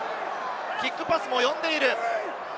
キックパスも読んでいる。